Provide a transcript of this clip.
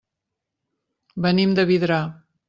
Venim de Vidrà.